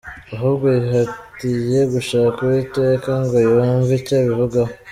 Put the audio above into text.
Ahubwo yihatiye gushaka Uwiteka, ngo yumve icyo abivugaho.